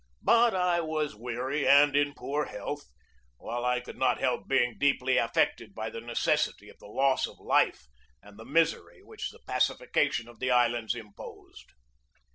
But I was weary and in poor health, while I could not help being deeply affected by the necessity of the loss of life and the misery which the pacification of the islands imposed.